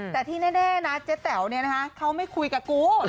แต่ที่แน่นะเจ๊แต๋วเขาไม่คุยกับกู